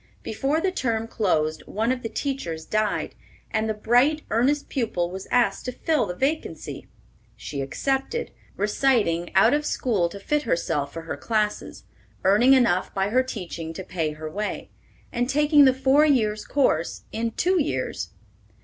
Before the term closed one of the teachers died, and the bright, earnest pupil was asked to fill the vacancy. She accepted, reciting out of school to fit herself for her classes, earning enough by her teaching to pay her way, and taking the four years' course in two years.